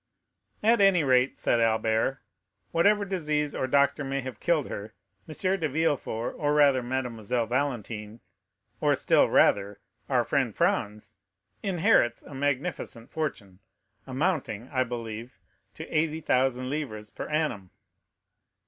"At any rate," said Albert, "whatever disease or doctor may have killed her, M. de Villefort, or rather, Mademoiselle Valentine,—or, still rather, our friend Franz, inherits a magnificent fortune, amounting, I believe, to 80,000 livres per annum."